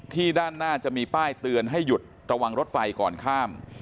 ด้านหน้าจะมีป้ายเตือนให้หยุดระวังรถไฟก่อนข้าม